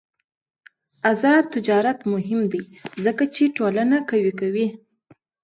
آزاد تجارت مهم دی ځکه چې ټولنه قوي کوي.